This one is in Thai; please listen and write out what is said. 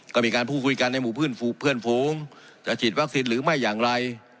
ก็มีการพูดคุยกันในหมู่เพื่อนฝูงจะฉีดวัคซีนหรือไม่อย่างไร